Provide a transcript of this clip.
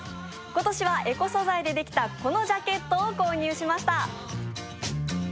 今年はエコ素材でできたこのジャケットを購入しました。